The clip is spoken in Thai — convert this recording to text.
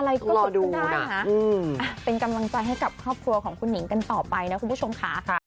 อะไรก็เกิดขึ้นได้นะเป็นกำลังใจให้กับครอบครัวของคุณหิงกันต่อไปนะคุณผู้ชมค่ะ